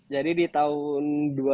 jadi di tahun